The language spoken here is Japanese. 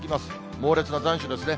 猛烈な残暑ですね。